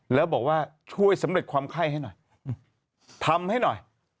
แล้วบอกว่าช่วยสำเร็จความไข้ให้หน่อยทำให้หน่อย